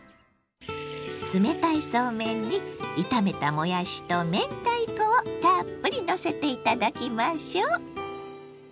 冷たいそうめんに炒めたもやしと明太子をたっぷりのせて頂きましょう！